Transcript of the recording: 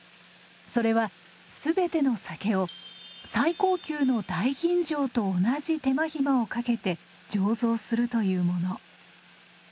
それはすべての酒を最高級の大吟醸と同じ手間暇をかけて醸造するというもの。